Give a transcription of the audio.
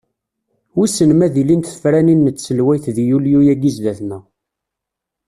Wissen ma ad ilint tefranin n tselweyt di yulyu-agi zdat-neɣ.